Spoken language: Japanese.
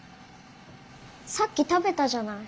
さっき食べたじゃない。